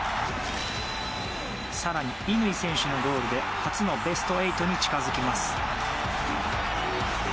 更に乾選手のゴールで初のベスト８に近づきます。